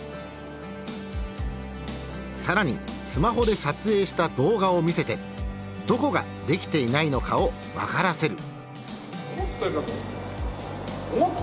更にスマホで撮影した動画を見せてどこができていないのかを分からせる。